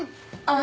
あ！